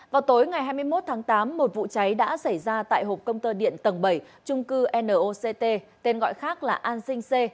vào tối ngày hai mươi một tháng tám một vụ cháy đã xảy ra tại hộp công tơ điện tầng bảy trung cư noct tên gọi khác là an sinh c